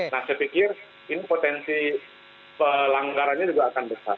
nah saya pikir ini potensi pelanggarannya juga akan besar